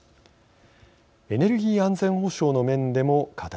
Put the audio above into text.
エネルギー安全保障の面でも課題があります。